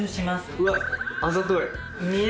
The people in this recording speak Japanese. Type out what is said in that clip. うわあざとい。